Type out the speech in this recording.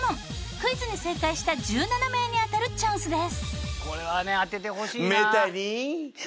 クイズに正解した１７名に当たるチャンスです。